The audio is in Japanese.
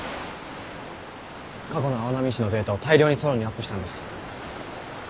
過去の青波市のデータを大量にソロンにアップしたんです。